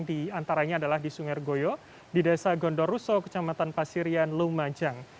di antaranya adalah di sungai regoyo di desa gondoruso kecamatan pasirian lumajang